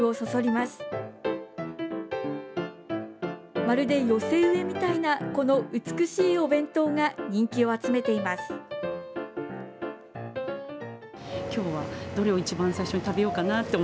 まるで寄せ植えみたいなこの美しいお弁当が人気を集めています。